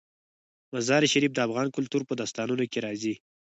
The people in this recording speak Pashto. مزارشریف د افغان کلتور په داستانونو کې راځي.